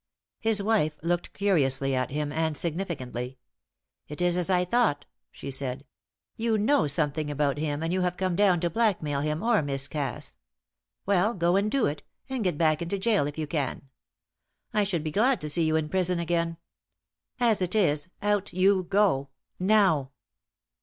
His wife looked curiously at him and significantly. "It is as I thought," she said. "You know something about him, and you have come down to blackmail him or Miss Cass. Well, go and do it, and get back into gaol if you can. I should be glad to see you in prison again. As it is, out you go now!"